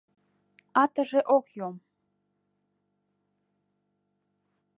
— Атыже ок йом.